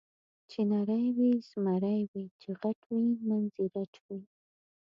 چې نری وي زمری وي، چې غټ وي منځ یې رټ وي.